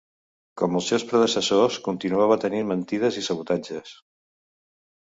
Com els seus predecessors, continuava tenint mentides i sabotatges.